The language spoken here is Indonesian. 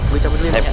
gue cabut dulu ya